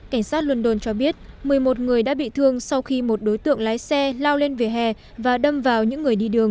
cảnh sát london cho biết một mươi một người đã bị thương sau khi một đối tượng lái xe lao lên vỉa hè và đâm vào những người đi đường